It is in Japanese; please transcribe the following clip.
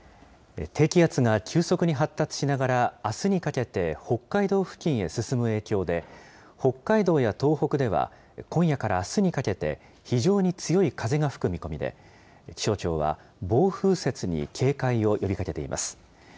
低気圧が急速に発達しながら、あすにかけて北海道付近へ進む影響で、北海道や東北では、今夜からあすにかけて、非常に強い風が吹く見込みで、気象庁は暴風雪に警戒を呼びかけています。